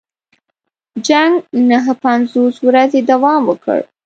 جنګ نهه پنځوس ورځې دوام وکړ.